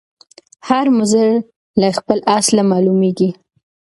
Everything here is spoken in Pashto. هر مضر له خپله اصله معلومیږي